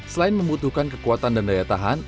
selain membutuhkan kekuatan dan daya tahan